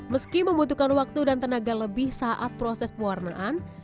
meski membutuhkan waktu dan tenaga lebih saat proses pewarnaan